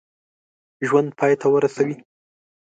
ژوند پای ته ورسوي.